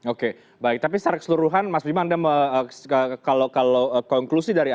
oke baik tapi secara keseluruhan mas bima kalau konklusi dari anda melihat optimisme pemerintah bisa menggenjot investasi di tahun ini